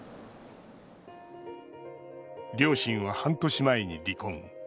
両親は半年前に離婚。